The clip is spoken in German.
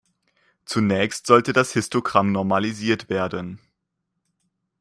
Zunächst sollte das Histogramm normalisiert werden.